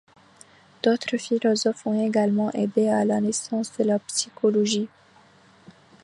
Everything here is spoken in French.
D'autres philosophes ont également aidé à la naissance de la psychologie.